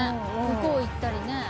向こう行ったりね。